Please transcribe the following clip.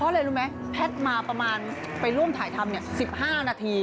เพราะเลยรู้ไหมแพทน์มาประมาณไปร่วมถ่ายทำเนี่ยสิบห้านาที